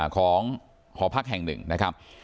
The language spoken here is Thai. ของหอพักแห่งหนึ่งนะครับ